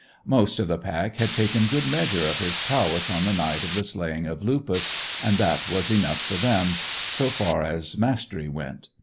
Most of the pack had taken good measure of his prowess on the night of the slaying of Lupus, and that was enough for them, so far as mastery went.